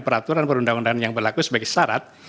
peraturan perundang undangan yang berlaku sebagai syarat